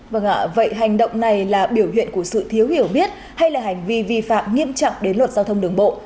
vâng ạ vậy hành động này là biểu hiện của sự thiếu hiểu biết hay là hành vi vi phạm nghiêm trọng đến luật giao thông đường bộ